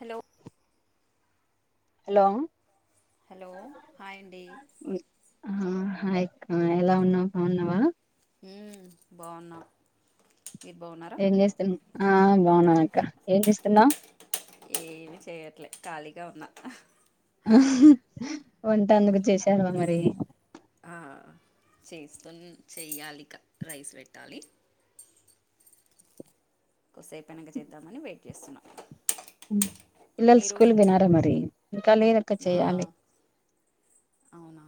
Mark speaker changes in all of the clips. Speaker 1: Hello
Speaker 2: hello
Speaker 1: hello hi అండి
Speaker 2: ఆ hi అక్క ఎలా ఉన్నావు బాగున్నావా
Speaker 1: మ్ బాగున్నా మీరు బాగున్నారా
Speaker 2: ఏం చేస్తున్నావ్ ఆ బాగున్నానక్క ఏం చేస్తున్నావ్
Speaker 1: ఏమి చేయట్లే ఖాళీగా ఉన్నా
Speaker 2: వంటందుకు చేశావా మరి
Speaker 1: అ చేస్తు చేయ్యాలిక రైస్ పెట్టాలి కొసేపైనక చేద్దామని వెయిట్ చేస్తున్నా
Speaker 2: మ్ పిల్లలు
Speaker 1: మీరు
Speaker 2: స్కూల్ పోయినరా మరి ఇంకా లేదక్క
Speaker 1: ఆ
Speaker 2: చెయాలి [inaudible]
Speaker 1: అవునా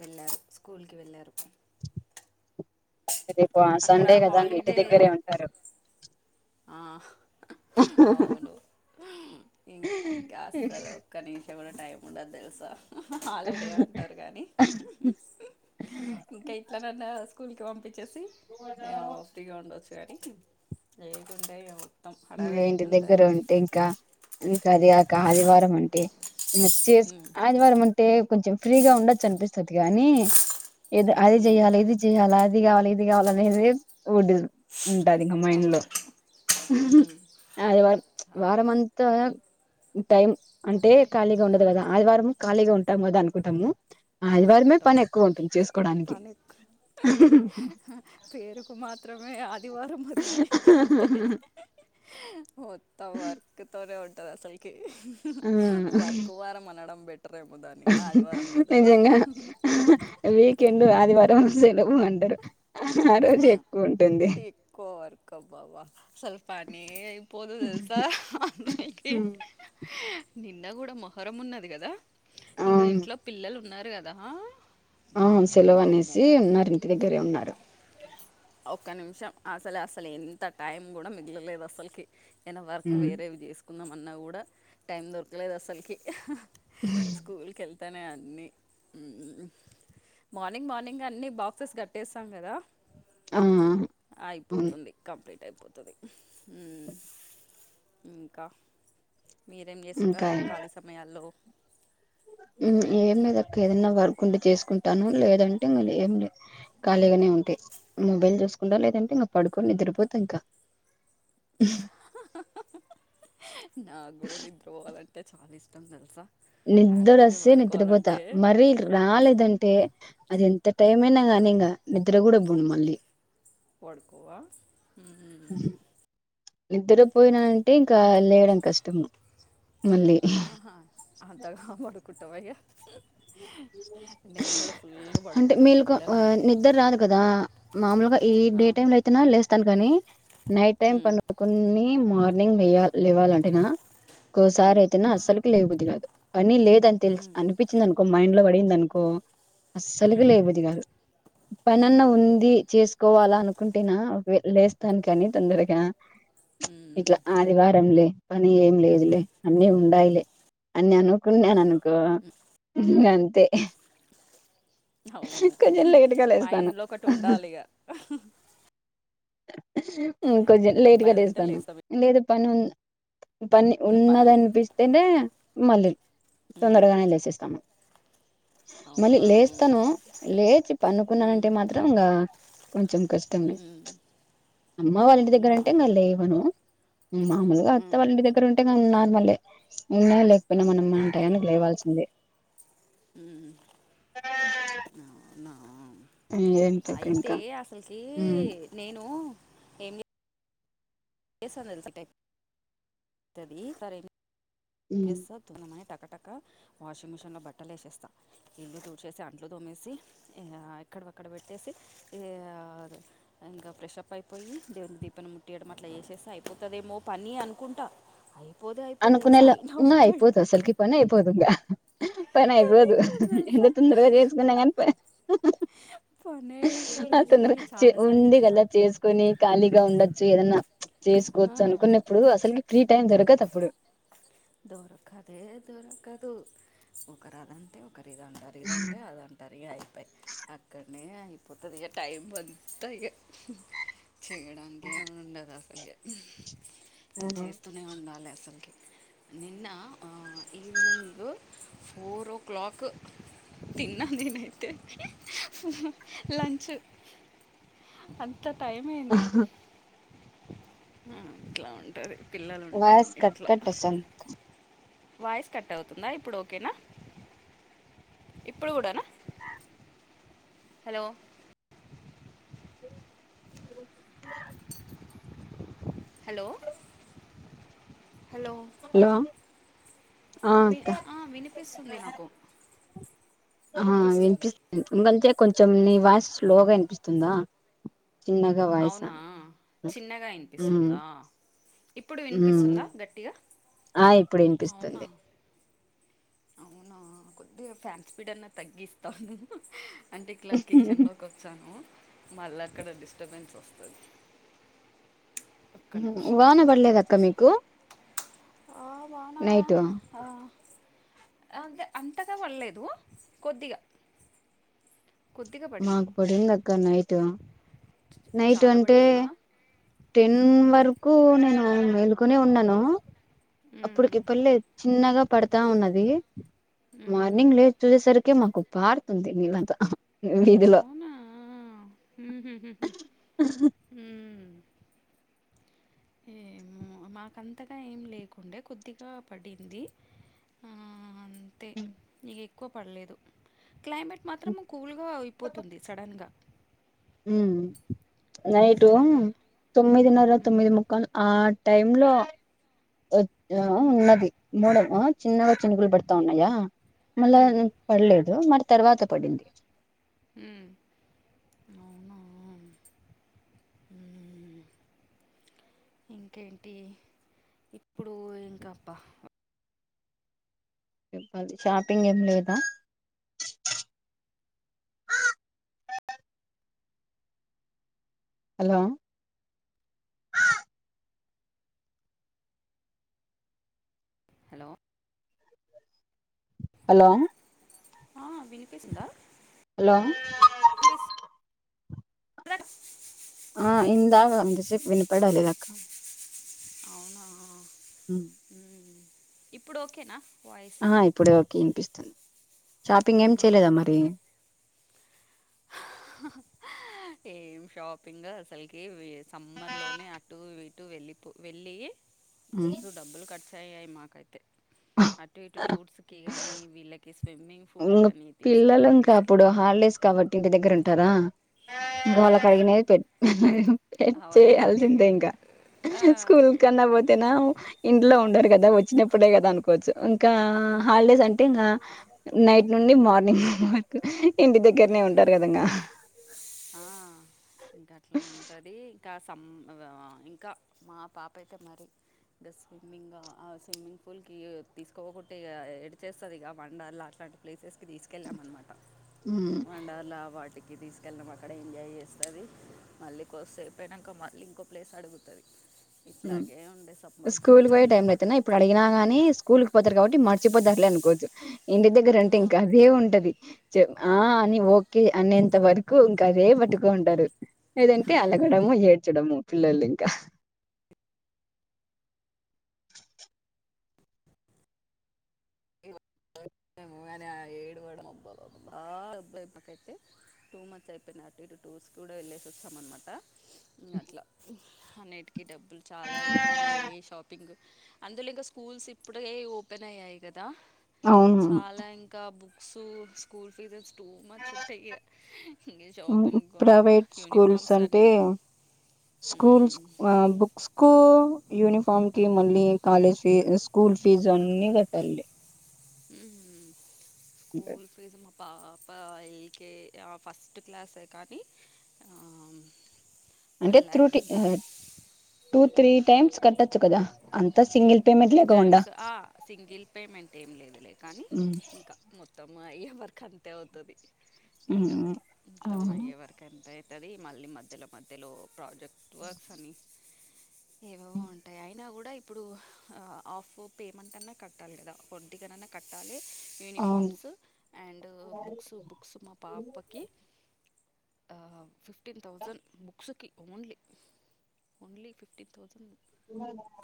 Speaker 1: వెళ్ళారు స్కూల్కి వెళ్ళారు
Speaker 2: రేపు
Speaker 1: అక్కడ
Speaker 2: సండే కదా మీ ఇంటి
Speaker 1: హాలిడే
Speaker 2: దగ్గరే ఉంటారు
Speaker 1: ఆ అవును ఇంకా అసలు ఒక్కని షం కూడా టైమ్ ఉండదు తెలుసా హాలిడే అంటారు కానీ ఇంకా ఇట్లా నన్న స్కూల్కి పంపి వచ్చేసి ఇయొవ్ ఫ్రీగా ఉండొచ్చు కానీ లేకుంటే ఇగ
Speaker 2: ఇంగ
Speaker 1: హడావిడి
Speaker 2: ఇంటి
Speaker 1: ఉంటది
Speaker 2: దగ్గరుంటే ఇంకా ఇంకా అదిగాక
Speaker 1: ఉమ్
Speaker 2: ఆదివారం అంటే ఇంగ చేస్క్
Speaker 1: ఉమ్
Speaker 2: ఆదివారం ఉంటే కొంచెం ఫ్రీగా ఉండచ్చ్ అనిపిస్తద్ గానీ ఇద్ అది జెయ్యాలి ఇది జెయ్యాల అది గావాలి ఇది గావాల అనేదేస్ వుడ్డిదును ఉంటాదింగ మైండ్లో
Speaker 1: అవును ఉమ్
Speaker 2: ఆదివారం
Speaker 1: చా
Speaker 2: వారమంతా టైం అంటే ఖాళీగ ఉండదుగదా ఆదివారం ఖాళీగా ఉంటామ్ గదా అనుకుంటాము. ఆదివారమే
Speaker 1: అనుకుంటాం
Speaker 2: పనెక్కువ ఉంటుంది చేస్కోడానికి.
Speaker 1: హ పేరుకు మాత్రమే ఆది దివారం అది అంతే మొత్తం వర్కు తోనేవుం టది అస్సల్కి
Speaker 2: ఆ
Speaker 1: వర్క్ వారం అనడం బెటరేమో దాన్ని ఆదివారం బదులు
Speaker 2: వీకెండు ఆదివారం సెలవు అంటరు ఆరోజే ఎక్కువుంట
Speaker 1: ఎక్కువ వర్కబ్బా అస్సల్ పనే అయిపోదు దెల్సా
Speaker 2: హుమ్
Speaker 1: నిన్న గూడా మొహరం ఉన్నది గదా ఇంగ
Speaker 2: అవును
Speaker 1: ఇంట్లో పిల్లలు ఉన్నారు గదా.
Speaker 2: అవున్ సెలవనేసీ ఉన్నారు ఇంటిదగ్గరే ఉన్నారు
Speaker 1: ఒక్క నిమిషం అసలేఅస్సలెంత టైంగుడా మిగిలలేదు అస్సల్కి ఎన వర్కు
Speaker 2: హ్మ్.
Speaker 1: వేరేవి జేస్కుందాం అన్నాగూడా టైం దొర్కలేదు అసల్కి స్కూల్ కెల్తనే అన్నీ ఊ మార్నింగ్ మార్నింగే అన్ని బాక్సెస్ గట్టేస్తాం గదా
Speaker 2: ఆ అవును
Speaker 1: అయిపోతుంది కంప్లీట్ అయ్ పొతది ఉహ్ ఊ ఇంకా మీరేం
Speaker 2: ఇంకా
Speaker 1: జేస్తుంటారు ఖాళీ సమయాల్లో
Speaker 2: మ్ ఏంలేదక్క ఏదన్నా వర్కుంటే చేస్కుంటాను లేదంటె ఇంగ లేంలే ఖాళీగనే ఉంటె మొబైల్ జూసుకుంటా లేదంటే ఇంగ పడుకొని నిద్రపోతా ఇంక
Speaker 1: నాగ్గుడ నిద్రబోవాలన్ టే చాల ఇష్టం దెల్సా
Speaker 2: నిద్దరొస్సే నిద్దరబోతా మరీ రాలేదంటే అది ఎం త టైం అయినాగానీ ఇంగ నిద్రగుడా బోను మల్లీ
Speaker 1: పడుకోవా హూమ్
Speaker 2: నిద్దరపోయినా అంటే ఇంకా లేయడం కష్టము మళ్ళీ
Speaker 1: ఆహా హంతగా బడుకుంటవా ఇగా కూడా ఫుల్గా
Speaker 2: [inaudible] అంటె
Speaker 1: పడుకుంటా మా
Speaker 2: మేలుకో
Speaker 1: పిల్లల
Speaker 2: వా
Speaker 1: మధ్య
Speaker 2: నిద్దర్రాదు కదా మామూలుగా ఈ
Speaker 1: ఆ,
Speaker 2: డేటైమ్ లో అయితేనా లేస్ త్తాన్ గానీ నైట్ టైం
Speaker 1: ఉమ్,
Speaker 2: పనుకొన్నీ మార్నింగ్ వెయ్యాల్ లెవ్వాలంటేనా
Speaker 1: ఉమ్,
Speaker 2: కోసారైతెనా అస్సల్కి లేయ్బుధ్ధి గాదు పని లేదని తెల్సి
Speaker 1: ఉమ్,
Speaker 2: అనిపి మైండ్లో బడిందనుకో అస్సల్కి లెయ్ బుధ్ధి గాదు
Speaker 1: ఉమ్,
Speaker 2: పనన్నా ఉంది చేస్ కోవాలా అనుకుంటేనా ఒకవె లేస్తాన్ కానీ తొందరగా ఇట్ల
Speaker 1: ఉమ్.
Speaker 2: ఆదివారంలె పని ఏం లేదులే అన్నీ ఉండాయ్ లే అన్య అనుకున్యాననుకో ఇంగంతే
Speaker 1: హవును
Speaker 2: లేస్తాను.
Speaker 1: మైండ్లో ఒకటుండాలిగా
Speaker 2: ఊ కొజ్జం లేట్ గా
Speaker 1: బయట ఉంటే
Speaker 2: లేస్తాను
Speaker 1: లేస్తాం
Speaker 2: లేదు పనుం పని
Speaker 1: ఇక పాన్
Speaker 2: ఉన్నదన్పిస్తేనే మల్లి తొందరగానే లేసేస్తాము
Speaker 1: ఔనా
Speaker 2: స్తనూ లేచి పండుకున్నానంటే మాత్రం ఇంగా కొంచెం కష్టమె
Speaker 1: ఉమ్,
Speaker 2: అమ్మవాళ్ల
Speaker 1: అవునా
Speaker 2: ఇంటిదగ్గరంటే ఇంగ లేవనూ మాములుగా
Speaker 1: ఉమ్,
Speaker 2: అత్తావాళ్ల ఇంటిదగ్గర ఉంటే కన్ నార్మలే ఉన్నా లేకపోయినా మనం
Speaker 1: అందరికీ
Speaker 2: మన
Speaker 1: అంతేలే
Speaker 2: టయానికి లేవాల్సిందే
Speaker 1: ఉమ్ అవునా
Speaker 2: ఏంటక్క
Speaker 1: అయితే
Speaker 2: ఇంకా
Speaker 1: అసలుకీ
Speaker 2: ఉమ్
Speaker 1: నేనూ ఏంచెప్ తది సరె
Speaker 2: ఉమ్
Speaker 1: [unintelligible] కటక వాషింగ్ మిషన్లో బట్టలేసేస్తా ఇల్లు తుడ్చేసి అంట్లుతోమేసి ఇగా క విఅక్కడ పెట్టేసి ఇగ ఇంకా ఫ్రెష్ప్ అయిపోయి దేవునికి దీపం ముట్టియడం అట్లా సేస్తే అయిపోతదేమో పని అనుకుంటా అయిపోతె అయిపోతది
Speaker 2: అనుకునేలా
Speaker 1: సయి
Speaker 2: ఇంగ అయిపోదు అసలుకి పని అయిపోదు ఇంగ పని అయిపోదు
Speaker 1: అయిపోద్ది
Speaker 2: ఎంత
Speaker 1: తెలుసా
Speaker 2: తొందరగా చేసుకున్నా గానీ పన్
Speaker 1: పని అయిపోదు
Speaker 2: అ
Speaker 1: అసలుకి
Speaker 2: తొందరగా
Speaker 1: చాలాసార్లు
Speaker 2: ఉంది
Speaker 1: చూసిన
Speaker 2: కదా చేసుకుొని ఖాళీగా ఉండొచ్చు ఏదన్నా చేసుకోవచ్చు అనుకున్నప్పుడు అసలుకి ఫ్రీ టైం దొరకదు అప్పుడు
Speaker 1: దొరకదే దొరకదు ఒకరాదంటే ఓ ఒకరు ఇది అంటారు ఇదంటే అది అంటారు ఇగ అయిపోయి అక్కడ అే అయిపోతది ఇగ టైం అంత ఇగ చేయడానికిే ఏమీ ఉండదు ఇగ చేస్తూనే ఉండాలి అసలుకి నిన్న ఆ ఈవనింగ్ ఫోర్ ఓ క్లాక్ తిన్న నినైతే లుంచూ అ ఇంత టైం అయింది మ్ ఇట్లా ఉంటది
Speaker 2: వాయిస్ కట్క కట్ వస్తది అంత
Speaker 1: వాయిస్ కట్ అవుతుందా ఇప్పుడు ఓకేనా ఇప్పుడు కూడానా హలో హలో హలో
Speaker 2: హలో ఆ
Speaker 1: వి
Speaker 2: అక్క
Speaker 1: ఆ వినిపిస్తుంది నాకు
Speaker 2: ఆ
Speaker 1: వినిపిస్తుంది
Speaker 2: ఎందుకంటే కొంచెం నీ వాస్ స్లోగా వినిపిస్తుందా చిన్నగా వాయిస్
Speaker 1: అవునా చిన్నగా
Speaker 2: ఉమ్
Speaker 1: వినిపిస్తుందా ఇప్పుడు
Speaker 2: ఉమ్
Speaker 1: వినిపిస్తుందా గట్టిగా
Speaker 2: ఆ ఇప్పుడు
Speaker 1: అవునా
Speaker 2: వినిపిస్తుంది
Speaker 1: అవునా కొద్దిగా ఫ్యాన్ స్పీడ్ అన్నా తగ్గిస్తాను అంటే ఇట్లా కిచెన్లోకి వచ్చాను మళ్ళీ అక్కడ డిస్టబెన్స్ వస్తాది
Speaker 2: వాన పడలేదక్క మీకు
Speaker 1: ఆ వానా
Speaker 2: నైటు
Speaker 1: ఆ అంతే అంతగా పడలేదు కొద్దిగా కొద్దిగా పడింది
Speaker 2: మాకు పడింద్క్క నైట్ నైట్
Speaker 1: చాలా
Speaker 2: అంటే
Speaker 1: పడిందా
Speaker 2: టెన్ వరకు కు నేను వెేలుకొనే ఉన్నాను
Speaker 1: ఉమ్
Speaker 2: అప్పుటికి పల్లెద్ చిన్నగా పడతా ఉన్నది
Speaker 1: ఉమ్
Speaker 2: మార్నింగ్ లేసి చూసేసరికి మాకు పార్తుంది నీలంత వీధిలో
Speaker 1: మ్మ్ హు హు హు మ్మ్ ఏమో మాకంతగా ఏం లేకుండే కొద్దిగా పడింది ఆ అంతే ఇగ ఎక్కువ పడలేదు క్లైమేట్ మాత్రము కూల్ గా అయిపోతుంది సడన్ గా
Speaker 2: ఉమ్ నైటు
Speaker 1: సడన్గా
Speaker 2: తొమ్మిదిన్నర
Speaker 1: ఉమ్
Speaker 2: తొమ్మిది ముక్కలు ఆ టైమ్ లో ఎప్ ఆ ఉన్నది మొడం ఆ చిన్నగా చినుగులు పడతా ఉన్నాయా మళ్ళా
Speaker 1: ఉమ్
Speaker 2: పడలేదు మరి తర్వాత పడింది
Speaker 1: మ్మ్ అవునా మ్మ్ ఇంకేంటి ఇప్పుడు ఇంకప్ప
Speaker 2: చెప్పాలి షాపింగ్ ఏం లేదా హలో
Speaker 1: హలో
Speaker 2: హలో
Speaker 1: ఆ వినిపేసిందా
Speaker 2: హలో
Speaker 1: [inaudible]
Speaker 2: ఆ ఇందాక అంతసేపు వినిపడలేదక్క
Speaker 1: అవునా మ్మ్ ఇప్పుడు ఓకేనా వాయిస్
Speaker 2: ఆ ఇప్పుడే ఓకే వినిపిస్తుంది షాపింగ్ ఏం
Speaker 1: మ్మ్.
Speaker 2: చేయలేదా మరి
Speaker 1: ఏం షాపింగ్ అసలుకి సమ్మర్ వే లోనే అటు ఇట్ టు వెళ్ళిపో వెళ్ళి మస్తు డబ్బులు ఖర్చు అయ్యాయి మాకైతే అటు ఇటు
Speaker 2: ఆ
Speaker 1: టూర్స్ కి గానీ వీళ్ళకి స్విమ్మింగ్ పూల్
Speaker 2: ఇంగ
Speaker 1: కానీ
Speaker 2: పిల్లలు
Speaker 1: తీసుకెళ్ళి
Speaker 2: ఇంకా అప్పుడు
Speaker 1: తీసుకెళ్ళి
Speaker 2: హాలిడేస్ కాబట్టి ఇంటి దగ్గర ఉంటారా
Speaker 1: ఆ,
Speaker 2: వాళ్ళకి అయినాయి పే
Speaker 1: అవన్నీ ఇగ
Speaker 2: చేయయాల్సిందే ఇంకా
Speaker 1: ఆ,
Speaker 2: స్కూల్ కన్నా
Speaker 1: ఇగ
Speaker 2: పోతేనా ఇంట్లో ఉ ఉండరు కదా వచ్చినప్పుడే కదా అనుకోవచ్చు ఇంకా హాలిడేస్ అంటే ఇంకా నైట్ నుండి మార్నింగ్ వరకు ఇంటి దగ్గరనే
Speaker 1: మ్మ్.
Speaker 2: ఉంటారు కద ఇంగ
Speaker 1: ఆ ఇంకా అట్ల ఉంటది ఇంకా సంమ్ ఇంకా మా పాప అయితే మరి ఇ స్విమ్మింగ్ ఆ స్విమ్మింగ్ పూల్ కి తీస్కపోకుంటే ఇగ ఏడ్చేస్తాది ఇగ వండర్ లా అట్ల అలాంటి ప్లేసెస్కి తీసుకెళ్ళాం అనమాట వండర్ల వాటికి తీసుకెళ్ళాం అక్కడ ఎంజాయ్ చేసి స్తది మళ్ళీ కొద్దిసేపు అయినాక మళ్ళీ ఇంకో ప్లేస్ అడుగుతది
Speaker 2: మ్మ్ స్కూల్ పోయే టైం అయితేనా ఇప్పుడు అడిగినా గానీ కూలికి పోతారు కాబట్టి మర్చిపోతారు లే అనుకోవచ్చు ఇంటి దగ్గర అంటే ఇంకా
Speaker 1: ఉమ్,
Speaker 2: అదే ఉంటది ఆ అని ఓకే అ నేను నేంత వరకు ఇంకా అదే పట్టుకోని ఉంటారు లేదంటే అలగడము ఏడ్చడము పిల్లలింక
Speaker 1: అని ఆ ఏడవడం అబ్బబ్బ మాకైతే టూ మంత్స్ అయిపోయి టు ఇటు టూర్స్ కూడా వెళ్లేసి వచ్చాం అన్నమాట ఇంగర్ల అన్నిటికిీ డబ్బులు చాలా అయిపోయి ఇంగ ఏ షాపింగ్ అందులో ఇంకా స్కూల్స్ ఇప్పుడయి ఓపెన్ అయ్యాయి కదా
Speaker 2: అవును
Speaker 1: చాలా ఇంకా book so school fees too much ఉంట యే నే షాపింగ్ కొని
Speaker 2: ప్రైవేట్ స్కూల్స్
Speaker 1: యూనిఫార్మ్స్
Speaker 2: అంటే
Speaker 1: అని
Speaker 2: స్కూల్స్
Speaker 1: మ్మ్.
Speaker 2: ఆ బుక్స్కు యూనిఫార్మ్ కీ మళ్ళీ కాలేజ్ ఫీ స్కూల్ ఫీజు అన్ని గట్టాల్లి
Speaker 1: ఊహు స్కూల్ ఫీజు మొ పాపా ఎల్ కే ఆ ఫస్ట్ క్లాసే కానీ ఆమ్
Speaker 2: అంటే త్రు టీ టూ త్రీ టైమ్స్ కట్ట
Speaker 1: టూ త్రీ టైమ్స్ ఆ సింగిల్ పేమెంట్ ఏం లేదులే కానీ
Speaker 2: ఉమ్
Speaker 1: ఇంక మొత్తం అయ్యే వర్క్ అంతే అవుతది
Speaker 2: ఊ ఉ ఆ ఆ
Speaker 1: టది మళ్ళీ మధ్యలో మధ్యలో ప్రాజెక్ట్ వర్క్స్ అని
Speaker 2: హ
Speaker 1: నా గూడా ఇప్పుడు ఆ ఆఫ్ పేమెంట్ అన్నా కట్టాల్ గదా ఒంటిగనన్నా కట్టాలి
Speaker 2: అవును
Speaker 1: యూనిఫార్మ్స్ అండ్ బుక్స్ బుక్స్ మా పాపకి ఆ ఫిఫ్టీన్ థౌజన్ బుక్సు కి ఓన్లీ ఓన్లీ ఫిఫ్టీన్ థౌసన్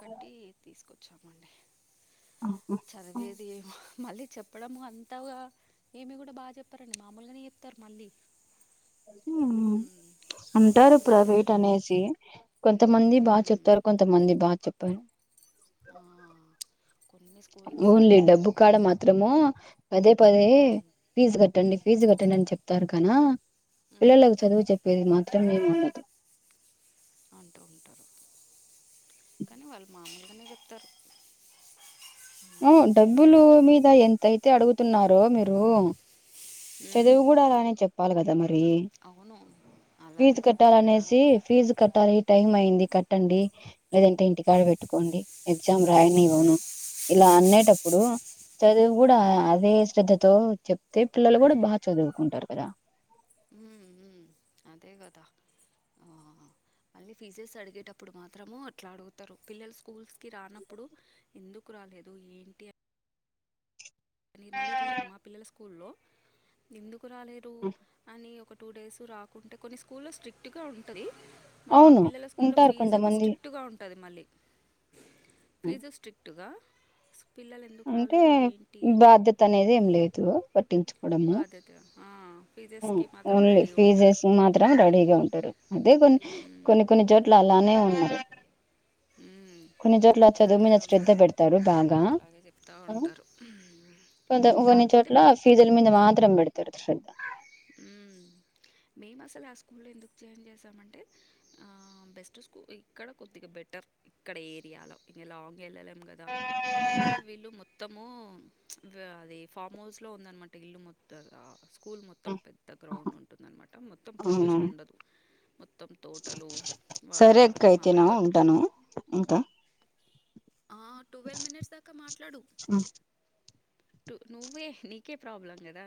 Speaker 1: కట్టీ తీసుకొచ్చామండి
Speaker 2: ఆహా
Speaker 1: చదివేది ఏమొ మళ్ళీ చెప్పడము అంతగా ఏమి గుడా బా చెప్పరండి మామూలుగానే చెప్తారు మళ్ళీ
Speaker 2: ఊహు
Speaker 1: మ్మ్. మళ్ళీ
Speaker 2: అంటారు
Speaker 1: మంచి
Speaker 2: ప్రైవేట్ అనేసి కొన్ తమంది బా
Speaker 1: మ్మ్.
Speaker 2: చెప్తారు కొంతమంది బా చెప్పరు
Speaker 1: ఆ, కొన్ని స్కూల్స్
Speaker 2: ఓన్లీ డబ్బు కాడ మాత్రమూ పదే పదే ఫీజ్ గట్టండి
Speaker 1: మ్మ్.
Speaker 2: ఫీజు గట్టండి అని చెప్తారు గా కనా
Speaker 1: మ్మ్.
Speaker 2: పిల్లలకు చదువు చెప్పేది మాత్రం ఏముండదు
Speaker 1: అంటూ ఉంటారు కానీ వాళ్ మామూలుగానే చెప్తరు
Speaker 2: ఆ డబ్బులు మీద ఎంతైతే అడుగుతున్నారో మిరూ
Speaker 1: "ఉమ్,
Speaker 2: చదువు గూడా అలానే చెప్పాలి గదా మరి
Speaker 1: అవును
Speaker 2: ఫీజు
Speaker 1: అలాగే చెప్పాలి కదా
Speaker 2: కట్టాలనేసి ఫీజు కట్టాలి టైం అయింది కట్టండి లేదంటే ఇంటికాడ వెట్టుకోండి ఎగ్జామ్ రాయనివను ఇలా అనేటప్పుడు చదువు గూడా
Speaker 1: "ఉమ్,
Speaker 2: అదే శ్రద్ధతో చెప్తే పిల్లలు గుడ బా చదువుకుంటారు కదా
Speaker 1: ఊ ఊ అదే గదా ఆ మళ్ళీ ఫీజెస్ అడిగేటప్పుడు మాత్రము ఎట్లా అడుగుతరు పిల్లల్ స్కూల్స్ కి రానప్పుడు ఎందుకు రాలేదు ఏంటి అ కనీ మళ్ళీ రీ [inaudible] మా పిల్లల స్కూల్లో ఎందుకు రాలేరు అని ఒక టూ డేస్ రాకుంటే కొన్ని స్కూల్లో స్ట్రిక్ట్గా ఉంటది మా
Speaker 2: అవును
Speaker 1: పిల్లల స్కూల్ల
Speaker 2: ఉంటారు
Speaker 1: ఫీజుకు
Speaker 2: కొంతమంది
Speaker 1: స్ట్రిక్ట్గా ఉంటది మళ్ళీ ఫీజు స్ట్రిక్టుగా పిల్లలు ఎందుకు
Speaker 2: అంటే
Speaker 1: రాలేరు ఏన్
Speaker 2: బాధ్యత అనేది ఏం లేదు పట్టించు
Speaker 1: బాద్యత ఆ
Speaker 2: అ
Speaker 1: ఫీజెస్కి మాత్రం
Speaker 2: ఓన్లీ
Speaker 1: రెడీ ఉంటారు
Speaker 2: ఫీజెస్ మాత్రం రెడీగా ఉంటరు అదే కొన్ని
Speaker 1: ఉమ్,
Speaker 2: కొన్ని కొన్ని చోట్ల అలానే ఉన్నరు
Speaker 1: ఉమ్,
Speaker 2: కొన్ని చోట్ల చదువు
Speaker 1: అట్లాగే
Speaker 2: మీద శ్రద్ద
Speaker 1: ఉంది
Speaker 2: పెడతారు బాగా
Speaker 1: అట్లాగే చెప్తా ఉంటారు
Speaker 2: కొంత కొన్ని
Speaker 1: కాకపోతే
Speaker 2: చోట్ల
Speaker 1: మా
Speaker 2: ఫీజుల్ మీద మాత్రం పెడతరు శ్రద్ధ
Speaker 1: హ్మ్. మేము అసలు ఆ స్కూల్ల ఎందుకు జాయిన్ చేసామంటే ఆ బెస్ట్ స్కూ ఇక్కడ కొద్దిగ బెటర్ ఇక్కడ ఏరియాలో ఇది లాంగ్ వెళ్ళలేం కదా అందులో వీళ్ళు మొత్తము అది ఫామ్ హౌస్ లో ఉందన్నమాట ఇల్లు మొత్తం స్కూల్ మొతం పెద్ద గ్రౌండ్ ఉంటుందన్నమాట మొత్తం పొల్యూషన్ ఉండదు మొత్తం తోటలు వా
Speaker 2: సరేక్క అయితేను
Speaker 1: మామిడి తోట
Speaker 2: ఉంటాను ఇంకా
Speaker 1: ఆ ట్వెల్వ్ మినిట్స్ దాకా మాట్లాడు టు నువ్వే నీకే ప్రాబ్లం కదా